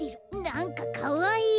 なんかかわいい。